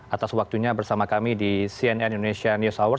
atas waktunya bersama kami di cnn indonesia news hour